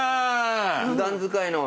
普段使いの。